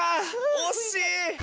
惜しい！